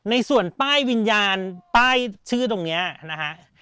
ในส่วนป้ายวิญญาณป้ายชื่อตรงนี้นะฮะ